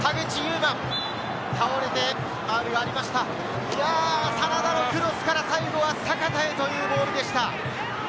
真田のクロスから最後は阪田へというボールでした。